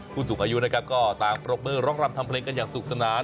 ผู้สูงอายุนะครับก็ต่างปรบมือร้องรำทำเพลงกันอย่างสนุกสนาน